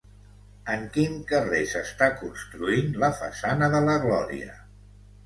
En quin carrer s'està construint la façana de la Glòria?